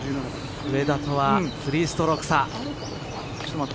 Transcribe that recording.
上田とは３ストローク差。